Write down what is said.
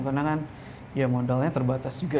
karena kan ya modalnya terbatas juga